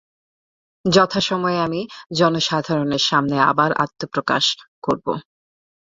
যথাসময়ে আমি জনসাধারণের সামনে আবার আত্মপ্রকাশ করব।